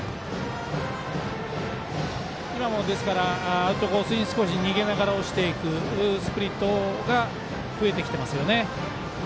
アウトコースに少し逃げながら押し込んでいくスプリットが増えてきてますよね。